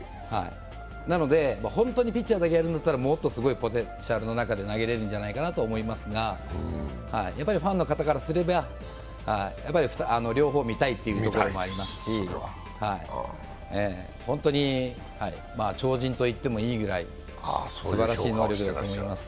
なので、本当にピッチャーだけやるんだったら、もっといいポテンシャルの中で投げれるんじゃないかなと思いますが、ファンの方々からすれば両方見たいというところもありますし本当に超人と言ってもいいくらいすばらしい能力だと思います。